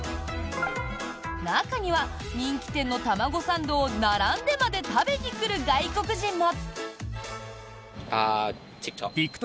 中には、人気店の卵サンドを並んでまで食べにくる外国人も。